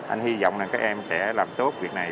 anh hy vọng là các em sẽ làm tốt việc này